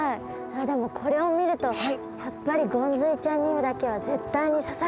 でもこれを見るとやっぱりゴンズイちゃんにだけは絶対に刺されたくないです。